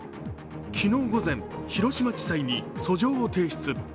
昨日午前、広島地裁に訴状を提出。